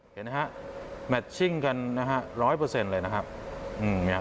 เห็นไหมครับแมตชิ้งกัน๑๐๐เลยนะครับ